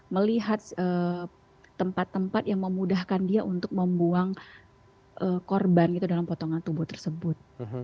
melihat tempat tempat yang memudahkan dia untuk membuang korban gitu dalam potongan tubuh tersebut